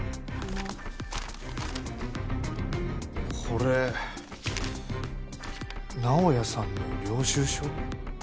これ直哉さんの領収書？